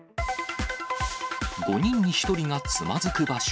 ５人に１人がつまずく場所。